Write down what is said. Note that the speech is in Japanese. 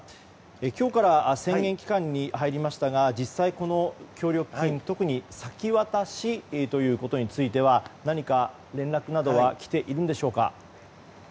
今日から宣言期間に入りましたが実際、この協力金特に先渡しということについては何か、連絡などはきているんでしょうか。